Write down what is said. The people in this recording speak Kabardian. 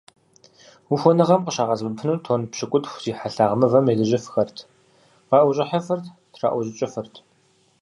Ухуэныгъэм къыщагъэсэбэпыну тонн пщыкӏутху зи хьэлъагъ мывэм елэжьыфхэрт, къаӏущӏыхьыфырт, траӏущӏыкӏыфырт.